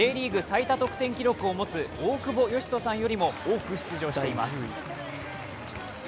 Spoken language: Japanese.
最多得点記録を持つ大久保嘉人さんよりも多く出場しています。